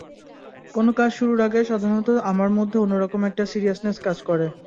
কোনো কাজ শুরুর আগে সাধারণত আমার মধ্যে অন্যরকম একটা সিরিয়াসনেস কাজ করে।